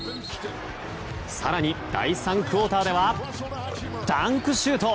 更に第３クオーターではダンクシュート！